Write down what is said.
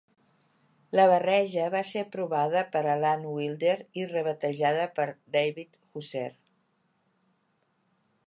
La barreja va ser aprovada per Alan Wilder i re-barrejada per David Husser.